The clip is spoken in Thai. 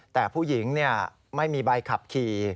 แต่ผู้หญิงไม่มีใบขับขี่